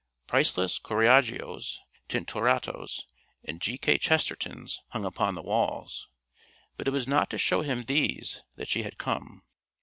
Priceless Correggios, Tintorettos and G. K. Chestertons hung upon the walls, but it was not to show him these that she had come.